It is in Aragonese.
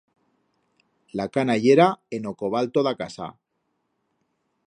La cana yera en o cobalto d'a casa.